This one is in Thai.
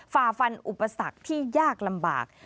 ฝ่าฟันอุปสรรคที่ยากลำบาก